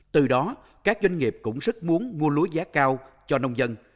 từ đó các doanh nghiệp cũng rất muốn mua lúa giá cao cho nông dân